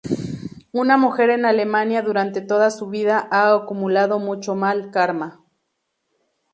Una mujer en Alemania durante toda su vida ha acumulado mucho mal karma.